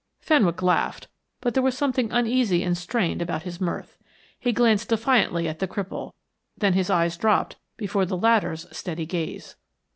Fenwick laughed, but there was something uneasy and strained about his mirth. He glanced defiantly at the cripple, then his eyes dropped before the latter's steady gaze.